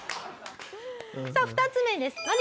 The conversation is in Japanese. さあ２つ目です。